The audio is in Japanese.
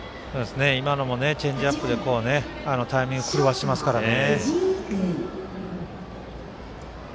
今のもチェンジアップでタイミングを狂わせましたからね。